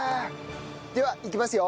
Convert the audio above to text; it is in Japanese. ではいきますよ。